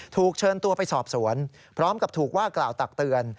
ถูกเชิญตัวไปสอบสวนพร้อมกับถูกว่ากล่าวตักเตือน